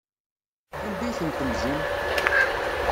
Anda ay ten-temzim?